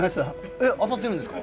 えっ当たってるんですか？